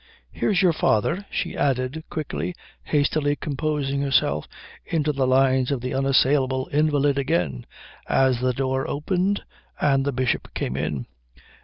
"Here's your father," she added quickly, hastily composing herself into the lines of the unassailable invalid again as the door opened and the Bishop came in.